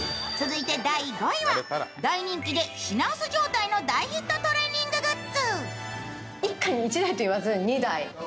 大人気で品薄状態の大ヒットトレーニンググッズ。